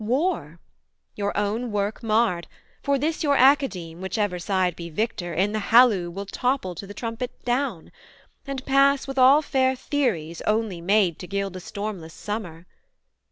war; Your own work marred: for this your Academe, Whichever side be Victor, in the halloo Will topple to the trumpet down, and pass With all fair theories only made to gild A stormless summer.'